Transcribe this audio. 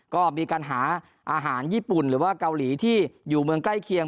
ก็มีการหาอาหารญี่ปุ่นหรือว่าเกาหลีที่อยู่เมืองใกล้เคียง